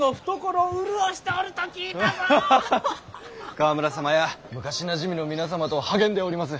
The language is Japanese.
川村様や昔なじみの皆様と励んでおります。